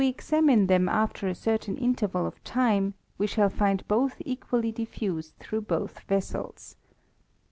if «« exunine them after a certma ioterral of tiaa we ehall find both equally diffused throngh boih Tessels.